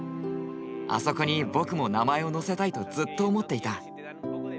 あそこに僕も名前を載せたいとずっと思っていた。